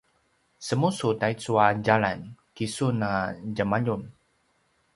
semusu taicu a djalan kisun a djemaljun